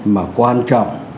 mà quan trọng